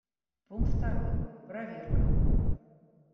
Пункт второй: проверка.